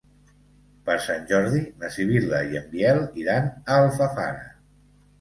Per Sant Jordi na Sibil·la i en Biel iran a Alfafara.